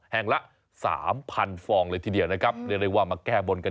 แห่งละ๓๐๐๐ฟองเลยทีเดียวนะครับ